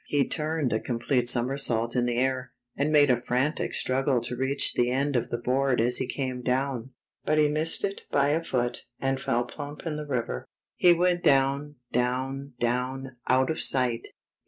He turned a complete somersault in the air, and made a frantic struggle to reach the end of the board as he came down. The Test of Wits 55 But he missed it by a foot, and fell plump in the river. He went down, down, down out of sight.